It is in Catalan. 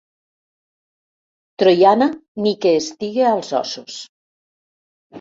Troiana, ni que estigui als ossos.